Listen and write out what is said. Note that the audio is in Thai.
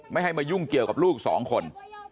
ไม่ให้มายุ่งเกี่ยวกับลูกสองคน